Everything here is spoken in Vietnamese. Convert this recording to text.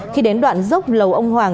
khi đến đoạn dốc lầu âu hoàng